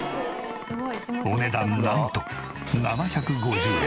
お値段なんと７５０円。